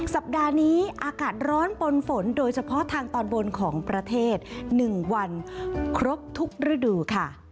สัปดาห์นี้อากาศร้อนปนฝนโดยเฉพาะทางตอนบนของประเทศ๑วันครบทุกฤดูค่ะ